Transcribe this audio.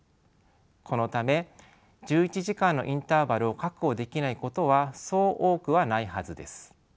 このため１１時間のインターバルを確保できないことはそう多くはないはずです。